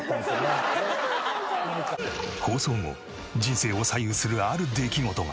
放送後人生を左右するある出来事が。